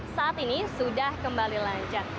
saat ini sudah kembali lancar